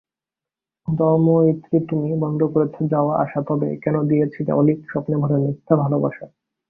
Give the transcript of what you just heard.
দময়িত্রী তুমি, বন্ধ করেছ যাওয়া-আসাতবে কেন দিয়েছিলেঅলীক স্বপ্নে ভরা মিথ্যে ভালোবাসা।